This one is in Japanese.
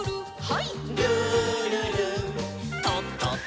はい。